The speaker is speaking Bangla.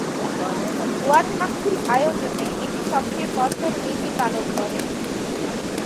ওয়াজ মাহফিল আয়োজনে এটি সবচেয়ে কঠোর নীতি পালন করে।